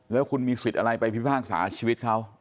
แล้วคุณมีสิทธิ์อะไรไปพิพากษาชีวิตเขา